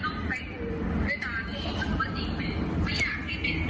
ไม่เชื่อต้องไปดูในตอนนี้ถึงมันจริงไหม